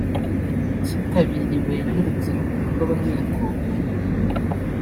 cyitabiriwe n’urubyiruko rw’abanyekongo